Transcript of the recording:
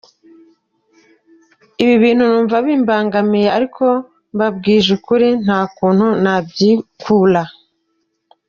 Ibi bintu numva bimbangamiye ariko mbabwije ukuri nta kuntu nabyikura.